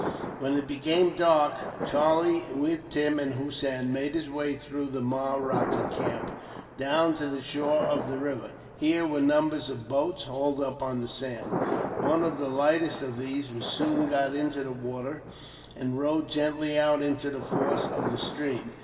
When it became dark, Charlie, with Tim and Hossein, made his way through the Mahratta camp, down to the shore of the river. Here were numbers of boats, hauled up on the sand. One of the lightest of these was soon got into the water, and rowed gently out into the force of the stream.